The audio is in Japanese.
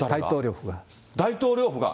大統領府が。